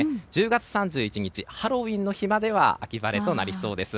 １０月３１日ハロウィーンの日までは秋晴れとなりそうです。